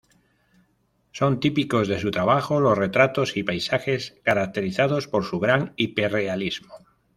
Son típicos de su trabajo los retratos y paisajes caracterizados por su gran hiperrealismo.